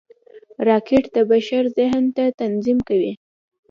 راکټ د بشر ذهن ته تعظیم کوي